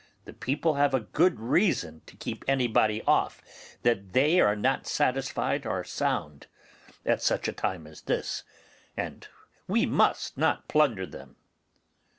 The people have good reason to keep anybody off that they are not satisfied are sound, at such a time as this, and we must not plunder them.